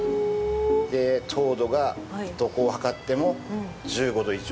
糖度が、どこを測っても１５度以上。